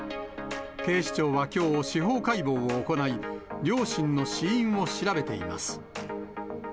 警視庁はきょう、司法解剖を行い、両親の死因を調べています。